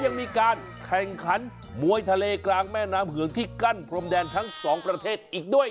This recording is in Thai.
ยังมีการแข่งขันมวยทะเลกลางแม่น้ำเหืองที่กั้นพรมแดนทั้งสองประเทศอีกด้วย